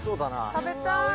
食べたい。